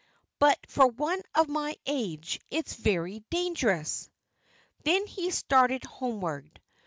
But for one of my age it's very dangerous." Then he started homeward.